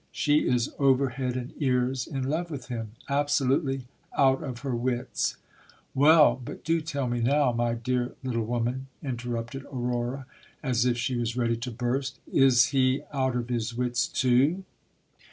She is over head and ears in love with him ; absolutely out of her wits ! Well, but do tell me now, my dear little woman, interrupted Aurora, as if she was ready to burst, is he out of his wits too